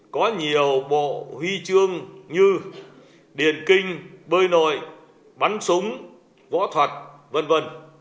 có nhiều bộ huy chương như điền kinh bơi nội bắn súng võ thuật v v